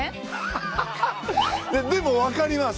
でもわかります。